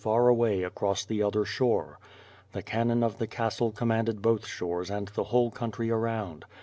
far away across the other shore. The cannon of the castle com manded both shores and the whole country around.